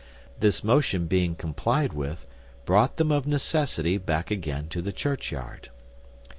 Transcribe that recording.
This motion being complied with, brought them of necessity back again to the churchyard.